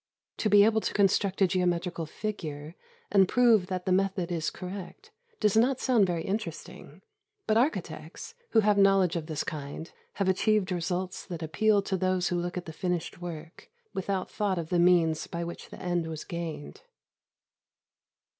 To be able to construct a geometrical figure, and prove that the method is correct, does not sound very interesting; but architects, who have knowledge of this kind, have achieved results that appeal to those who look at the finished work, without thought of the means by which the end was gained.